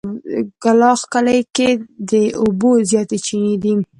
کلاخ کلي کې د اوبو زياتې چينې دي.